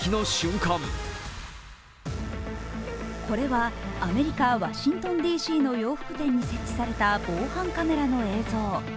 これはアメリカ・ワシントンＤＣの洋服店に設置された防犯カメラの映像。